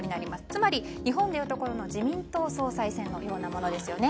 つまり日本でいうところの自民党総裁選です。